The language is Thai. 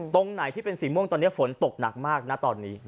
ตรงไหนที่เป็นสีม่วงตอนนี้ฝนตกหนักมากนะตอนนี้